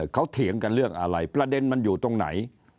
เขาเถียงกันเรื่องอะไรประเด็นมันอยู่ตรงไหน